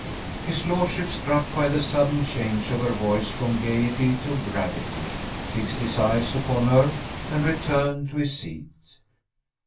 His lordship, struck by the sudden change of her voice from gaiety to gravity, fixed his eyes upon her and returned to his seat.